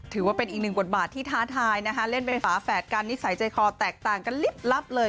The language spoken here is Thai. ถือว่าเป็นอีกหนึ่งบทบาทที่ท้าทายนะคะเล่นเป็นฝาแฝดกันนิสัยใจคอแตกต่างกันลิบลับเลย